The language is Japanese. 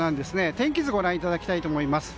天気図をご覧いただきたいと思います。